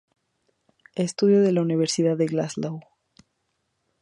Estudió en la Universidad de Glasgow.